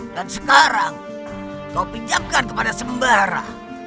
dan sekarang kau pinjamkan kepada sembara